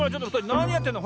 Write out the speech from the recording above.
なにやってんの？